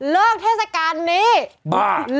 เลิกเทศกาลนี้เบฺ